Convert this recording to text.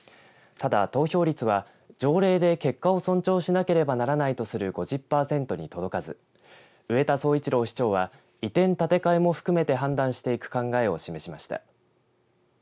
ただ、投票率は条例で結果を尊重しなければならないとする５０パーセントに届かず植田壮一郎市長は移転建て替えも含めてい判断していく考えを示しました。